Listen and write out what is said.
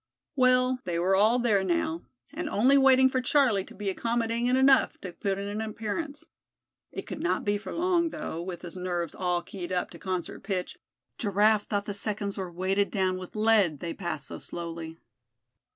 Well, they were all there now, and only waiting for Charlie to be accommodating enough to put in an appearance. It could not be for long; though with his nerves all keyed up to concert pitch, Giraffe thought the seconds were weighted down with lead, they passed so slowly.